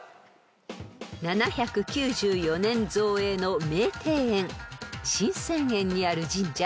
［７９４年造営の名庭園神泉苑にある神社